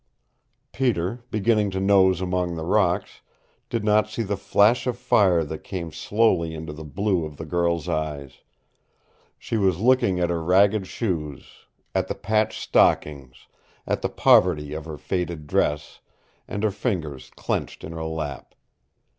Peter, beginning to nose among the rocks, did not see the flash of fire that came slowly into the blue of the girl's eyes. She was looking at her ragged shoes, at the patched stockings, at the poverty of her faded dress, and her fingers clenched in her lap.